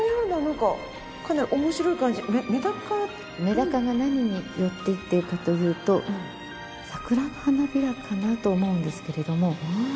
メダカが何に寄っていってるかというと桜の花びらかなと思うんですけれども。